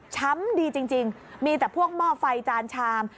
ดีจริงมีแต่พวกหม้อไฟจานชาม